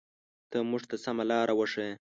ته مونږ ته سمه لاره وښایه.